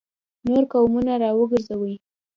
نور قوتونه را وګرځوي.